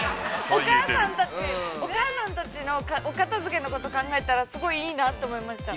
◆お母さんたちお母さんたちのお片づけのことを考えたらすごい、いいなと思いました。